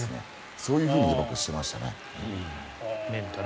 そういうふうにしてましたね。